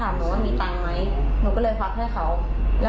แล้วหนูก็บอกว่าพี่แล้วรถหนูจะถึงได้อย่างไร